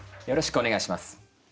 よろしくお願いします。